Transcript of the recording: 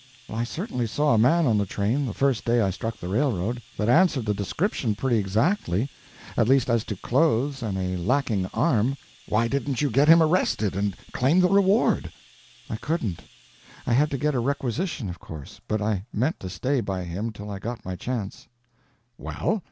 "I certainly saw a man on the train, the first day I struck the railroad, that answered the description pretty exactly—at least as to clothes and a lacking arm." "Why din't you get him arrested and claim the reward?" "I couldn't. I had to get a requisition, of course. But I meant to stay by him till I got my chance." "Well?"